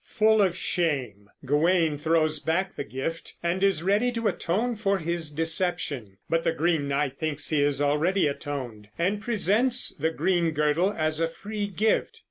Full of shame, Gawain throws back the gift and is ready to atone for his deception; but the Green Knight thinks he has already atoned, and presents the green girdle as a free gift.